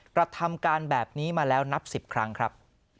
กระทำการแบบนี้มาแล้วนับ๑๐ครั้งครับ